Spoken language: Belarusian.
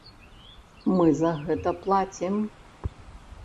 Мы за гэта плацім.